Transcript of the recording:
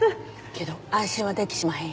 けど安心はできしまへんえ。